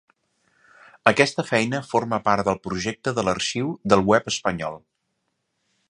Aquesta feina forma part del projecte de l'Arxiu del web espanyol.